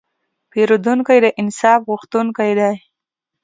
پیرودونکی د انصاف غوښتونکی دی.